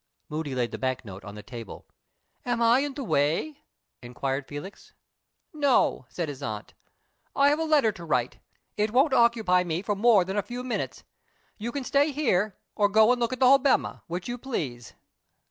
Moody laid the bank note on the table. "Am I in the way?" inquired Felix. "No," said his aunt. "I have a letter to write; it won't occupy me for more than a few minutes. You can stay here, or go and look at the Hobbema, which you please."